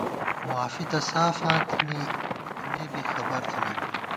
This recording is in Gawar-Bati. معافی تہ سافاں تھنی اېمے بی خبر تھنَئیت